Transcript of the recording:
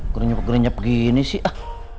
gernyap gernyap gini sih